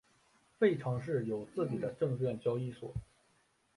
费城市有自己的证券交易所。